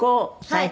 はい。